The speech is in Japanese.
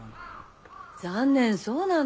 残念そうなの。